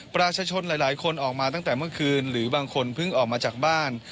ประชาชนหลายคนออกมาตั้งแต่เมื่อคืนหรือบางคนเพิ่งออกมาจากบ้าน